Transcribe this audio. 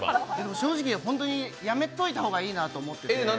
正直ホントやめといた方がいいなと思って。